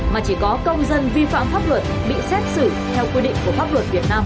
mà chỉ có công dân vi phạm pháp luật bị xét xử theo quy định của pháp luật việt nam